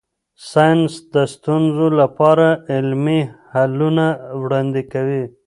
ساینس د ستونزو لپاره عملي حلونه وړاندې کوي.